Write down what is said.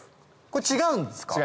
これ違うんですか？